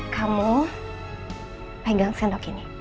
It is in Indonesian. kamu pegang sendok ini